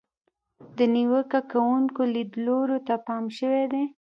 د نیوکه کوونکو لیدلورو ته پام شوی دی.